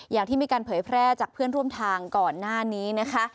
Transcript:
อย่างที่มีการเผยแพร่จากเพื่อนร่วมทางก่อนหน้านี้นะคะ